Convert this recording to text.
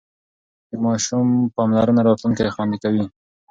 د ماشوم پاملرنه راتلونکی خوندي کوي.